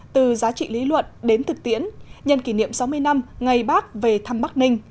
từ giá trị lý luận đến thực tiễn nhân kỷ niệm sáu mươi năm ngày bác về thăm bắc ninh